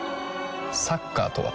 サッカーとは？